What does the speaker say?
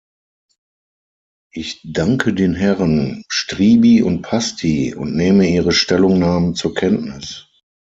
Ich danke den Herren Striby und Pasty und nehme ihre Stellungnahmen zur Kenntnis.